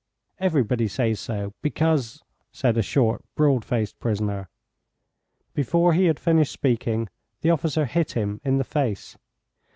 "Everybody says so, because " said a short, broad faced prisoner. Before he had finished speaking the officer hit him in the face.